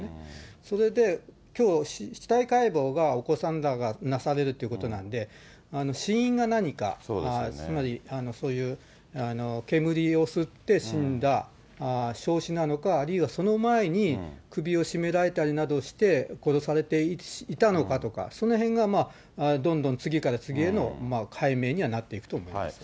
それで、きょう、死体解剖がお子さんらがなされるっていうことなんで、死因が何か、つまりそういう煙を吸って死んだ焼死なのか、あるいはその前に首を絞められたりなどして、殺されていたのかとか、そのへんがどんどん次から次への解明にはなっていくと思います。